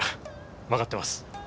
わかってます。